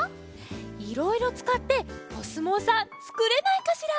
いろいろつかっておすもうさんつくれないかしら？